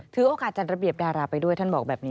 ถือโอกาสจัดระเบียบดาราไปด้วยท่านบอกแบบนี้